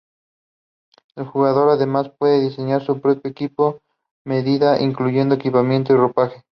El jugador, además, puede diseñar su propio equipo a medida, incluyendo equipamiento y ropaje.